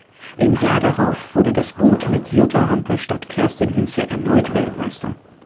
Im Jahr darauf wurde das Boot mit Jutta Hampe statt Kerstin Hinze erneut Weltmeister.